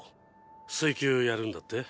水球やるんだって？